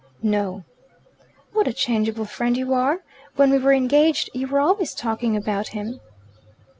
"No." "What a changeable friend you are! When we were engaged you were always talking about him."